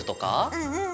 うんうん。